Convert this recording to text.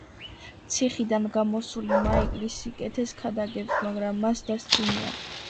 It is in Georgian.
ციხიდან გამოსული მაიკლი სიკეთეს ქადაგებს, მაგრამ მას დასცინიან.